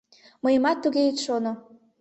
Мыйымат туге ит шоно.